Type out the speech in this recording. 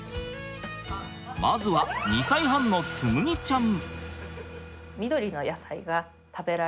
まずは２歳半の紬ちゃん。